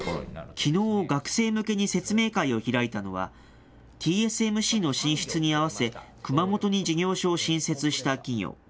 きのう、学生向けに説明会を開いたのは、ＴＳＭＣの進出に合わせ、熊本に事業所を新設した企業。